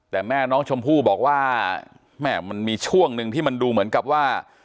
แต่แม่น้องชมพู่บอกว่าแม่มันมีช่วงหนึ่งที่มันดูเหมือนกับว่า